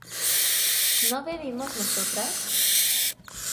¿no bebimos nosotras?